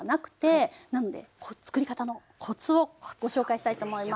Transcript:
なのでつくりかたのコツをご紹介したいと思います。